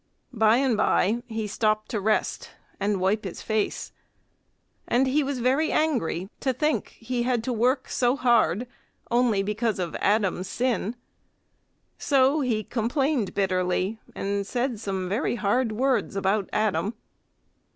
By and by he stopped to rest and wipe his face; and he was very angry to think he had to work so hard only because of Adam's sin. So he complained bitterly, and said some very hard words about Adam.